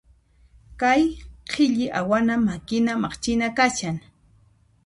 Kay qhilli awana makina maqchina kashan.